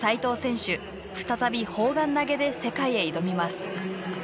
再び砲丸投げで世界へ挑みます。